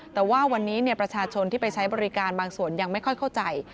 แต่ว่าวันนี้ประชาชนที่ไปใช้บริการบางส่วนยังไม่ค่อยเข้าใจ